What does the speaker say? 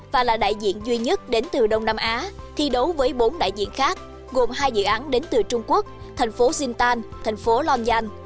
và là đại diện duy nhất đến từ đông nam á thi đấu với bốn đại diện khác gồm hai dự án đến từ trung quốc thành phố xintang thành phố long giang